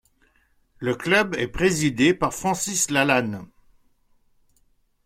Le club est présidé par Francis Lalanne.